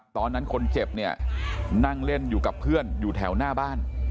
ตอนนั้นคนเจ็บเนี่ยนั่งเล่นอยู่กับเพื่อนอยู่แถวหน้าบ้าน